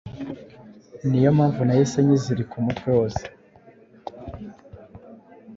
niyo mpamvu nahise nyizirika umutwe wose